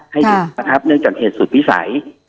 ให้หยุดก่อนครับเนื่องจากเวสสุทธิวศร